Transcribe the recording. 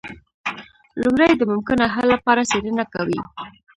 لومړی د ممکنه حل لپاره څیړنه کوي.